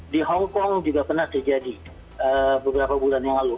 di hongkong juga pernah terjadi beberapa bulan yang lalu